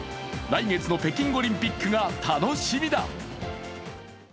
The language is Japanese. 来月の北京オリンピックが楽しみだ。